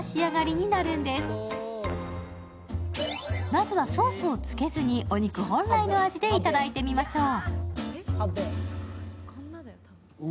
まずは、ソースをつけずにお肉本来の味でいただいてみましょう。